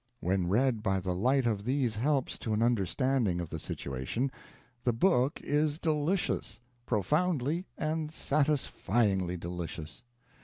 When read by the light of these helps to an understanding of the situation, the book is delicious profoundly and satisfyingly delicious.